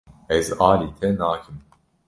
Ez alî te nakim.